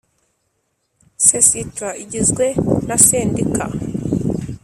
Cestrar igizwe na sendika